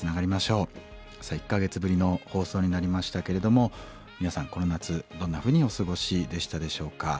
さあ１か月ぶりの放送になりましたけれども皆さんこの夏どんなふうにお過ごしでしたでしょうか？